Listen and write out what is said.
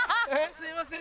すいません